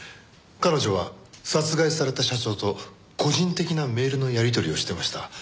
彼女は殺害された社長と個人的なメールのやり取りをしてました。